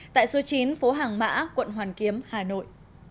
tại số chín phố hàng mã quận hoàn kiếm hà nội